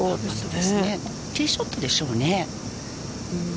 ティーショットでしょうね。